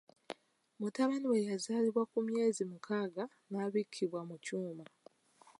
Mutabani we yazaalibwa ku myezi mukaaga n'abikkibwa mu kyuma.